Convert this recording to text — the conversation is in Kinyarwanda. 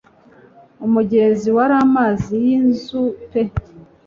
Umugezi wari amazi yinzu pe